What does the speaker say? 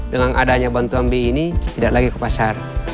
dengan adanya bantuan bi ini tidak lagi ke pasar